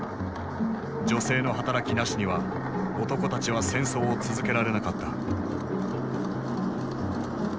女性の働きなしには男たちは戦争を続けられなかった。